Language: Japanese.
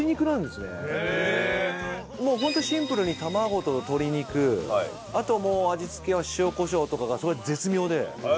もうホントシンプルに卵と鶏肉あと味付けは塩コショウとかがすごい絶妙で。